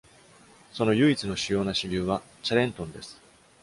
その唯一の主要な支流は、チャレントンです。